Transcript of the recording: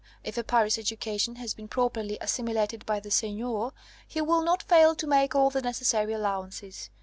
If a Paris education has been properly assimilated by the Seigneur, he will not fail to make all the necessary allowances.